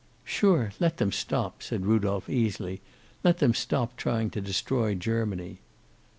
"Sure, let them stop!" said Rudolph, easily. "Let them stop trying to destroy Germany."